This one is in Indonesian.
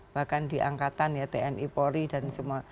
bahkan di angkatan ya tni polri dan semua